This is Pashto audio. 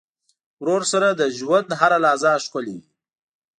ورور سره د ژوند هره لحظه ښکلي وي.